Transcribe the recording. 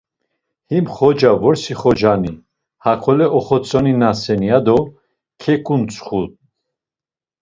Him xoca vrosi xocani, hakole oxotzoninasen, ya do keǩuntsxu.